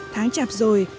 tháng chạp rồi